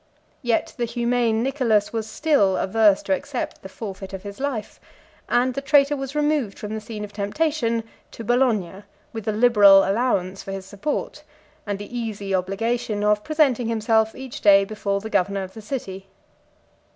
Yet the humane Nicholas was still averse to accept the forfeit of his life; and the traitor was removed from the scene of temptation to Bologna, with a liberal allowance for his support, and the easy obligation of presenting himself each day before the governor of the city.